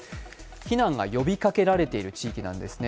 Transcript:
避難が呼びかけられている地域なんですね。